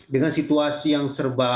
dengan situasi yang serba